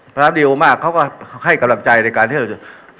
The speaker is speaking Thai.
รับดีโอมากเขาก็ให้กำลังใจในการที่เราจะ